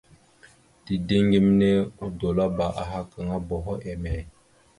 Dideŋ geme odolabáaha gaŋa boho emey ?